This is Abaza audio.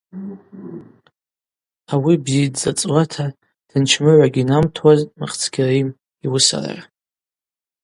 Ауи бзидздза цӏуата тынчымгӏва гьинамтуазтӏ Мыхц Кьарим йуысара.